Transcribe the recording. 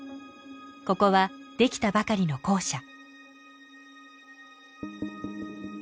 ここはできたばかりの校舎